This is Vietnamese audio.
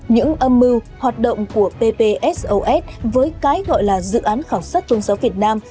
những âm mưu hoạt động của bpsos với cái gọi là dự án khảo sát trung sống việt nam